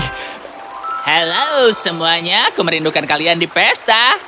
halo semuanya kumerindukan kalian di pesta